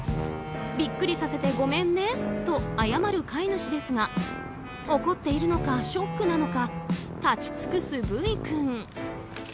ビックリさせてごめんねと謝る飼い主ですが怒っているのかショックなのか立ち尽くすＶ君。